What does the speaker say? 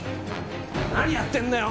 何やってんだよ